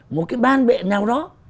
một cái ban bệ nào đó